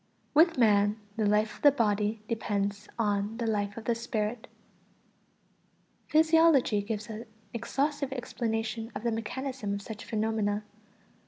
=With man the life of the body depends on the life of the spirit=. Physiology gives an exhaustive explanation of the mechanism of such phenomena.